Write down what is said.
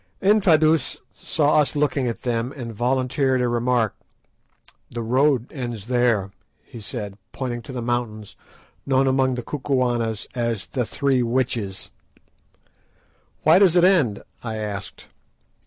Infadoos saw us looking at them, and volunteered a remark. "The road ends there," he said, pointing to the mountains known among the Kukuanas as the "Three Witches." "Why does it end?" I asked.